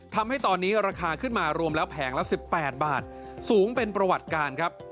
ทำให้ตอนนี้ราคาขึ้นมารวมแล้วแผงละ๑๘บาทสูงเป็นประวัติการครับ